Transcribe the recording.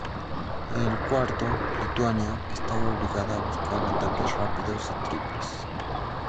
En el cuarto Lituania estaba obligada a buscar ataques rápidos y triples.